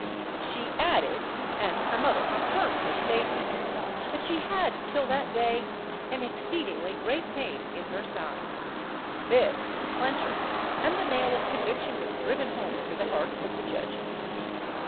She added (and her mother confirmed her statement), that she had till that day "an exceeding great pain in her side." This was a clencher, and the nail of conviction was driven home to the hearts of the judges.